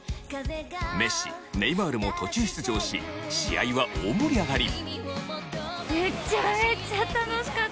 メッシネイマールも途中出場し試合は大盛り上がり。